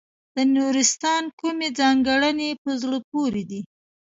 د نورستان کومې ځانګړنې په زړه پورې دي.